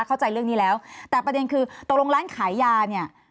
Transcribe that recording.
เข้าใจเรื่องนี้แล้วแต่ประเด็นคือตกลงร้านขายยาเนี่ย